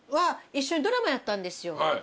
一緒にドラマやったんですよ。